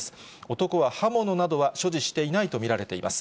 男は刃物などは所持していないと見られています。